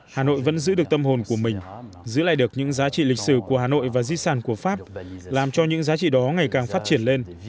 hà nội vẫn giữ được tâm hồn của mình giữ lại được những giá trị lịch sử của hà nội và di sản của pháp làm cho những giá trị đó ngày càng phát triển lên